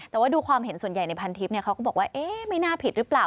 แต่ว่าดูความเห็นส่วนใหญ่ในพันทิพย์เขาก็บอกว่าเอ๊ะไม่น่าผิดหรือเปล่า